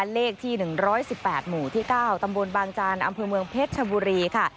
เลขที่๑๑๘หมู่ที่๙ตำบลบางจานอำเภอเมืองเพชรชบุรีค่ะ